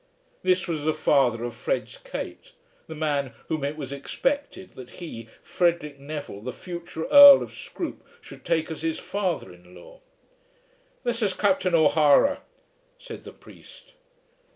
This was the father of Fred's Kate; the man whom it was expected that he, Frederic Neville, the future Earl of Scroope, should take as his father in law! "This is Captain O'Hara," said the priest.